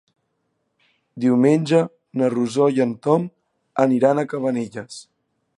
Diumenge na Rosó i en Tom aniran a Cabanelles.